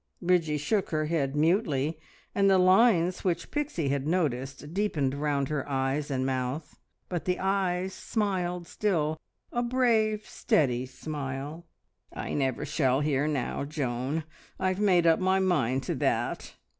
Bridgie shook her head mutely, and the lines which Pixie had noticed deepened round her eyes and mouth, but the eyes smiled still a brave, steady smile. "I never shall hear now, Joan. I've made up my mind to that."